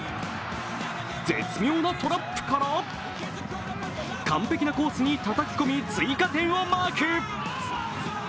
絶妙なトラップから、完璧なコースにたたき込み、追加点をマーク。